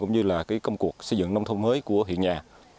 cũng như công cuộc xây dựng nông thôn mới của hiện nhà